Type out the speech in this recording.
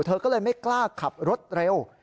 เธอก็เลยไม่กล้าขับรถเร็ว